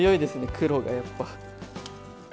黒がやっぱ。